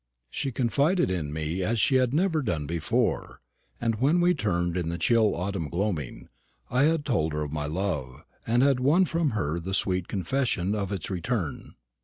She confided in me as she had never done before; and when we turned in the chill autumn gloaming, I had told her of my love, and had won from her the sweet confession of its return.